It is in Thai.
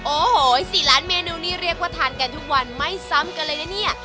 โอ้โห๔ล้านเมนูนี่เรียกว่าทานกันทุกวันไม่ซ้ำกันเลยนะเนี่ย